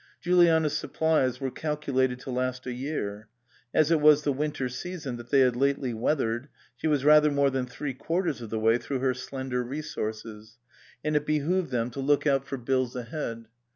Juliana's supplies were calculated to last a year ; as it was the winter season that they had lately weathered, she was rather more than three quarters of the way through her slender re sources, and it behoved them to look out for 322 CAUTLEY SENDS IN HIS BILL bills ahead.